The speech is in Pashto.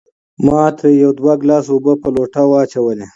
ما ترې يو دوه ګلاسه اوبۀ پۀ لوټه واچولې